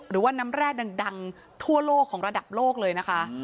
หรือว่าน้ำแร่ดังทั่วโลกของระดับโลกเลยนะคะ